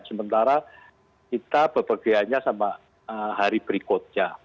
sementara kita bepergiannya sama hari berikutnya